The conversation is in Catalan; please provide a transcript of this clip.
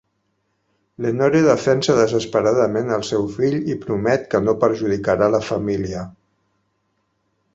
Lenore defensa desesperadament el seu fill i promet que no perjudicarà la família.